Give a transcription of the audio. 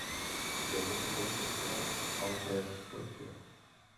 Velitelem se stal Alfred Fletcher.